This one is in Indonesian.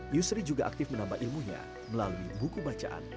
yusri juga aktif menambah ilmunya melalui buku bacaan